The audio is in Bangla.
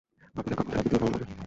আপনাদের কাপল থেরাপি দিকে কেমন হয়?